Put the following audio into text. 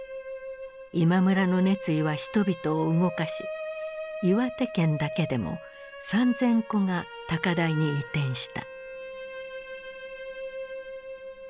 今村の熱意は人々を動かし岩手県だけでも３，０００戸が高台に移転した。